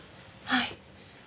はい。